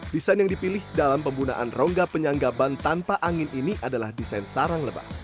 desain yang dipilih dalam pembunaan rongga penyanggaban tanpa angin ini adalah desain sarang lebar